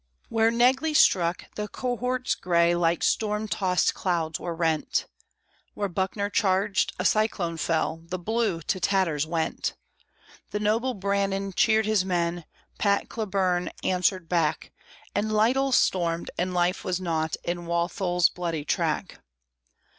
Where Negley struck, the cohorts gray like storm tossed clouds were rent; Where Buckner charged, a cyclone fell, the blue to tatters went; The noble Brannan cheered his men, Pat Cleburne answered back, And Lytle stormed, and life was naught in Walthall's bloody track.